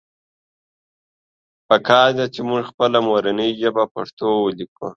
پکار ده چې مونږ خپله مورنۍ ژبه پښتو وليکو